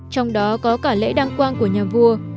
trong đó có cả lễ đăng quang của nhà vua